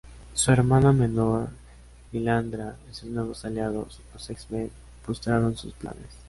Su hermana menor Lilandra y sus nuevos aliados, los X-Men, frustraron sus planes.